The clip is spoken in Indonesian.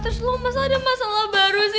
terus lo mas ada masalah baru sih